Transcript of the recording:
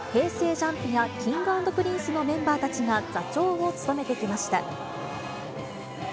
ＪＵＭＰやＫｉｎｇ＆Ｐｒｉｎｃｅのメンバーたちが座長を務めてきました。